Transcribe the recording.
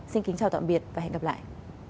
xin kính chào tạm biệt và hẹn gặp lại